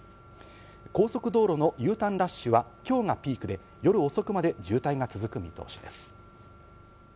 高速道路のＵターンラッシュはきょうがピークで、夜遅くまで渋滞が続く見通しです。